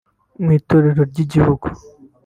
mu Itorero ry’Igihugu